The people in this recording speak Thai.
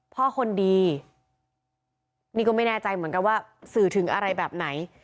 คนดีนี่ก็ไม่แน่ใจเหมือนกันว่าสื่อถึงอะไรแบบไหน